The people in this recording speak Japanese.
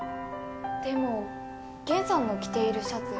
でもゲンさんの着ているシャツ